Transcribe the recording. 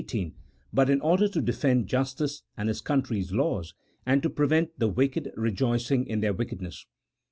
17, 13), but in order to defend justice and his country's laws, and to prevent the wicked rejoicing in their wickedness.